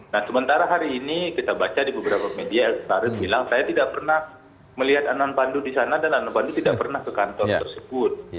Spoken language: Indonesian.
nah sementara hari ini kita baca di beberapa media elsa bilang saya tidak pernah melihat anan pandu di sana dan anon pandu tidak pernah ke kantor tersebut